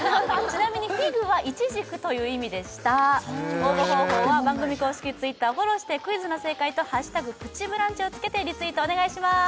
ちなみにフィグはいちじくという意味でした応募方法は番組公式Ｔｗｉｔｔｅｒをフォローしてクイズの正解と「＃プチブランチ」をつけてリツイートお願いします